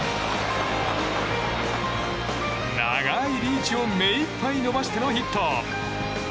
長いリーチを目いっぱい伸ばしてのヒット。